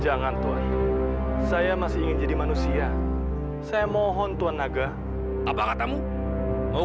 jangan saya masih ingin jadi manusia saya mohon tuhan naga apa katamu mau